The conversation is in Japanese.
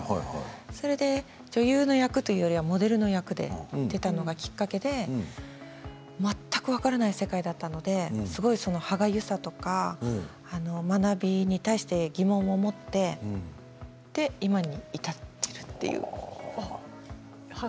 それで女優の役というよりはモデルの役で出たのがきっかけで全く分からない世界ですごい歯がゆさとか学びとかに疑問を持ってそれで今に至っているという感じです。